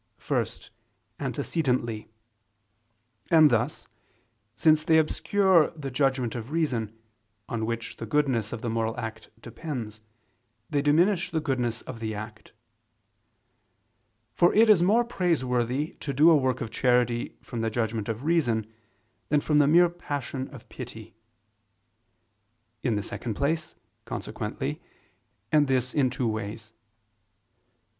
First, antecedently: and thus, since they obscure the judgment of reason, on which the goodness of the moral act depends, they diminish the goodness of the act; for it is more praiseworthy to do a work of charity from the judgment of reason than from the mere passion of pity. In the second place, consequently: and this in two ways.